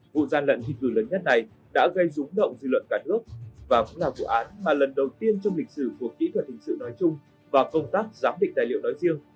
vụ gian lận thi cử lớn nhất này đã gây rúng động dư luận cả nước và cũng là vụ án mà lần đầu tiên trong lịch sử của kỹ thuật hình sự nói chung và công tác giám định tài liệu nói riêng